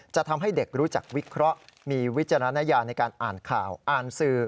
จะทำให้เด็กรู้จักวิเคราะห์มีวิจารณญาในการอ่านข่าวอ่านสื่อ